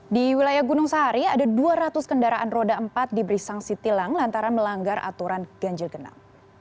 di wilayah gunung sahari ada dua ratus kendaraan roda empat diberi sanksi tilang lantaran melanggar aturan ganjil genap